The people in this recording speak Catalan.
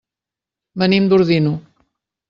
Venim d'Ordino.